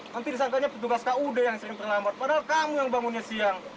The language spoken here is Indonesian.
nanti disangkanya petugas kud yang sering terlambat padahal kamu yang bangunnya siang